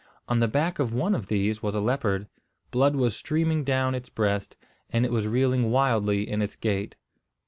On the back of one of these was a leopard. Blood was streaming down its breast, and it was reeling wildly in its gait.